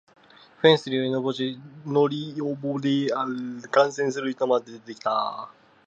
フェンスによじ登り観戦する人まで出てきた